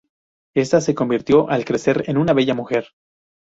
Esta se convirtió al crecer en una bella mujer.